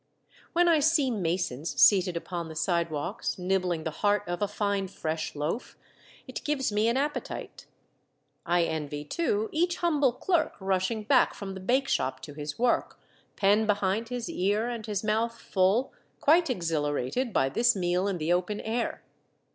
When I see masons seated upon the sidewalks, nibbling the heart of a fine fresh loaf, it gives me an appetite. I envy too, each humble clerk rush ing back from the bake shop to his work, pen behind his ear, and his mouth full, quite exhila rated by this meal in the open air.